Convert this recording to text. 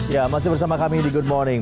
ya masih bersama kami di good morning